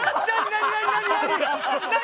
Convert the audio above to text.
何？